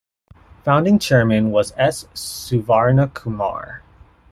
Founding chairman was S. Suvarnakumar.